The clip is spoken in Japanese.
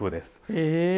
へえ。